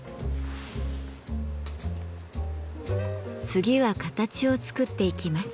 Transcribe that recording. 次は形を作っていきます。